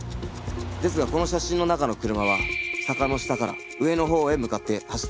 ですがこの写真の中の車は坂の下から上のほうへ向かって走っているんです。